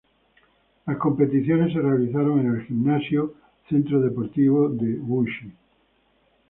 Las competiciones se realizaron en el Gimnasio Centro Deportivo de Wuxi.